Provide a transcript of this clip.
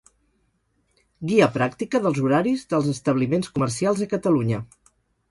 Guia pràctica dels horaris dels establiments comercials a Catalunya.